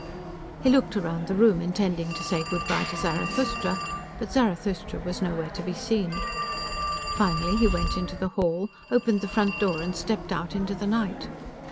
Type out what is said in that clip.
He looked around the room intending to say good by to Zarathustra, but Zarathustra was nowhere to be seen. Finally he went into the hall, opened the front door and stepped out into the night.